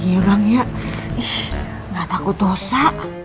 iya bang ya ih gak takut dosa